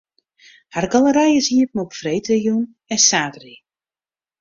Har galery is iepen op freedtejûn en saterdei.